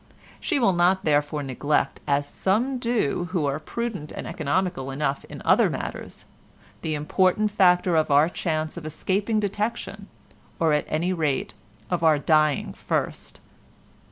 She will not therefore neglect—as some do who are prudent and economical enough in other matters—the important factor of our chance of escaping detection, or at any rate of our dying first.